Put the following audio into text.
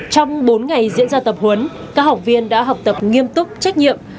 trong bốn ngày diễn ra tập huấn các học viên đã học tập nghiêm túc trách nhiệm